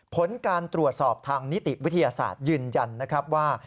ผลการตรวจสอบทางนิติวิทยาศาสตร์ยืนยันนะครับว่า